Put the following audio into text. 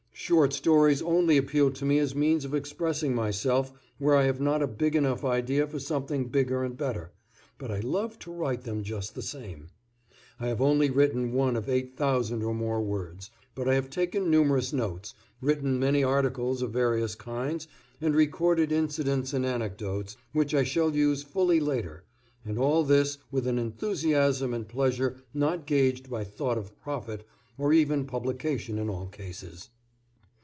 Short stories only appeal to me as means of expressing myself where I have not a big enough idea for something bigger and better, but I love to write them just the same. (I have only written one of 8,000 or more words, but I have taken numerous notes, written many articles of various kinds and recorded incidents and anecdotes, which I shall use fully later, and all this with an enthusiasm and pleasure not gauged by thought of profit or even publication in all cases.)